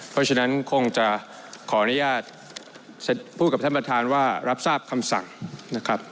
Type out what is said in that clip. เพราะฉะนั้นคงจะขออนุญาตพูดกับท่านประธานว่ารับทราบคำสั่งนะครับ